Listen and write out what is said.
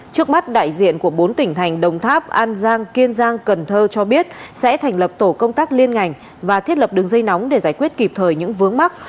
trước mắt đại diện của bốn tỉnh thành đồng tháp an giang kiên giang cần thơ cho biết sẽ thành lập tổ công tác liên ngành và thiết lập đường dây nóng để giải quyết kịp thời những vướng mắt